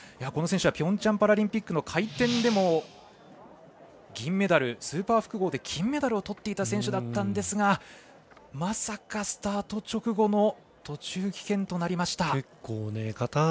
この選手はピョンチャンパラリンピックの回転でも銀メダルスーパー複合で金メダルをとっていた選手だったんですがまさか、スタート直後の途中棄権となりました。